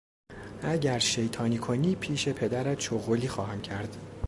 اگر شیطانی کنی پیش پدرت چغلی خواهم کرد.